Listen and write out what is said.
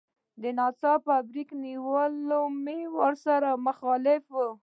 ناڅاپي بريک نيول مې ورسره مخالف و.